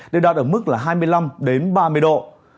đều đạt ở mức là hai mươi năm đến ba mươi độ